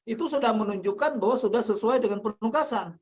itu sudah menunjukkan bahwa sudah sesuai dengan perungkasan